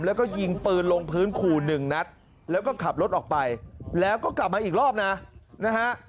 แล้วก็ยิงปืนลงพื้นขู่หนึ่งนัดแล้วก็ขับรถออกไปแล้วก็กลับมาอีกรอบนะนะฮะ